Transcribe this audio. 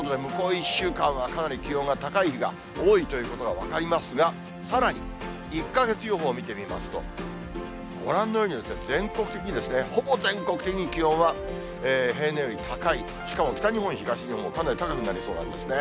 １週間はかなり気温が高い日が多いということが分かりますが、さらに１か月予報を見てみますと、ご覧のように、全国的に、ほぼ全国的に気温は平年より高い、しかも北日本、東日本、かなり高くなりそうなんですね。